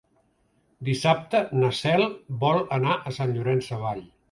Dissabte na Cel vol anar a Sant Llorenç Savall.